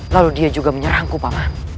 lalu dia juga menyerangku pak mat